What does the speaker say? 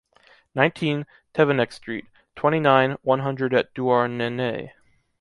Nineteen, Tevennec street, twenty nine, one hundred at Douarnenez